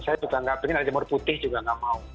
saya juga tidak mungkin ada jamur putih juga tidak mau